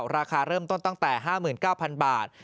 ราคาเริ่มต้นตั้งแต่๕๙๐๐บาท